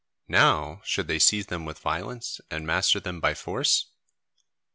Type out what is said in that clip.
Now, should they seize them with violence and master them by force?